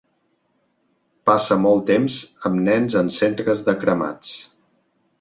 Passa molt temps amb nens en centres de cremats.